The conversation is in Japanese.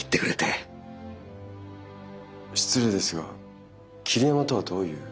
失礼ですが桐山とはどういう。